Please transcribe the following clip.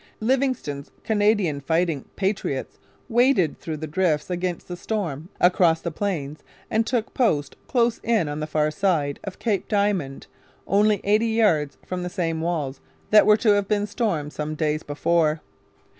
Livingston's Canadian fighting 'patriots' waded through the drifts, against the storm, across the Plains, and took post close in on the far side of Cape Diamond, only eighty yards from the same walls that were to have been stormed some days before.